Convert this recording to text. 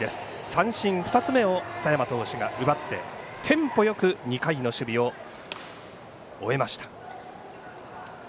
三振２つ目を佐山投手が奪ってテンポよく２回の守備を終えました。